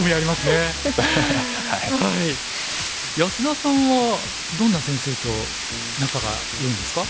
安田さんはどんな先生と仲がよいんですか？